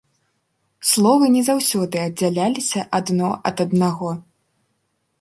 Словы не заўсёды аддзяляліся адно ад аднаго.